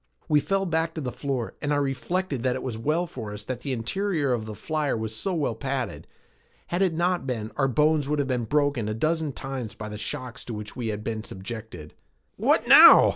We fell back to the floor and I reflected that it was well for us that the interior of the flyer was so well padded. Had it not been, our bones would have been broken a dozen times by the shocks to which we had been subjected. "What now?"